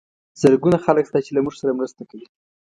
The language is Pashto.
زرګونه خلک شته چې له موږ سره مرسته کوي.